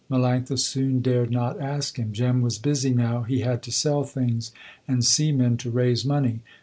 Melanctha soon dared not ask him. Jem was busy now, he had to sell things and see men to raise money.